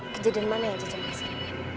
kejadian mana yang jajan tersebut